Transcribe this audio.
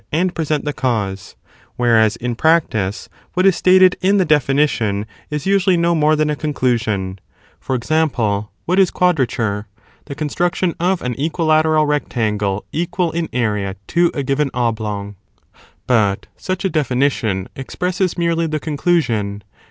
:.. and present the cause: whereas in practice what is stated in the definition is usually no more than a conclusion. For example, what is quadrature? The construction of an equilateral rectangle equal in area to a given oblong. But such a definition expresses merely the conclusion.